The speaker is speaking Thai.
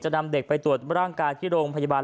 นำเด็กไปตรวจร่างกายที่โรงพยาบาล